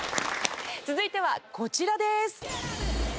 続いてはこちらです。